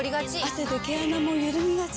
汗で毛穴もゆるみがち。